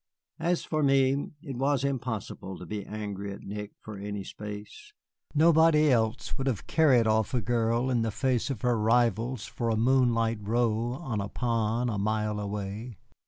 As for me, it was impossible to be angry at Nick for any space. Nobody else would have carried off a girl in the face of her rivals for a moonlight row on a pond a mile away.